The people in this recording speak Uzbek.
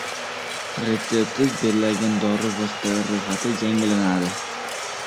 Retseptsiz beriladigan dori vositalari ro‘yxati yangilanadi